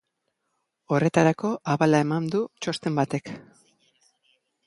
Horretarako abala eman du txosten batek.